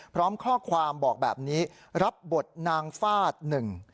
พร้อมข้อความบอกแบบนี้รับบทนางฟาดหนึ่ง